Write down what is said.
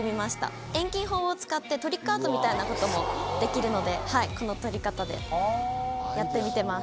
遠近法を使ってトリックアートみたいなこともできるのでこの撮り方でやってみてます。